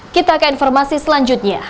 kita ke informasi selanjutnya